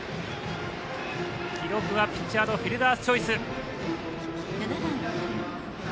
記録はピッチャーのフィルダースチョイス。